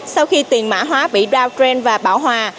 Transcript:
sau khi tiền mã hóa bị downtrend và bão hòa